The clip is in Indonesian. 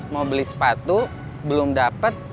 mau beli sepatu belum dapat